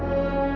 aku mau jalan